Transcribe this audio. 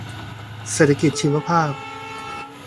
เศรษฐกิจชีวภาพ